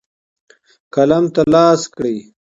قلم ته لاس کړئ.